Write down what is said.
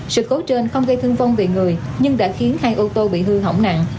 sự cố trên không gây thương vong về người nhưng đã khiến hai ô tô bị hư hỏng nặng